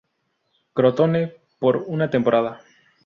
Crotone por una temporada.